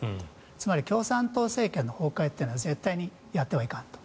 つまり共産党政権の崩壊というのは絶対にやってはいかんと。